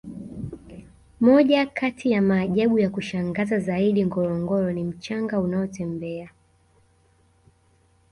moja kati ya maajabu ya kushangaza zaidi ngorongoro ni mchanga unaotembea